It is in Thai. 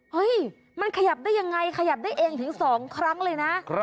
เฮ้ยมันขยับได้ยังไงขยับได้เองถึง๒ครั้งเลยนะ